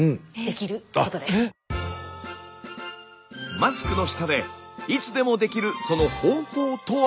マスクの下でいつでもできるその方法とは？